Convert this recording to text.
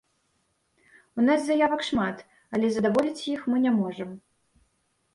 У нас заявак шмат, але задаволіць іх мы не можам.